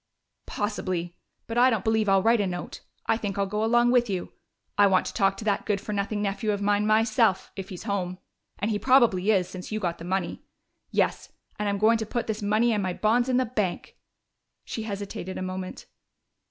"Possibly. But I don't believe I'll write a note I think I'll go along with you! I want to talk to that good for nothing nephew of mine myself if he's home. And he probably is, since you got the money.... Yes, and I'm going to put this money and my bonds in the bank!" She hesitated a moment.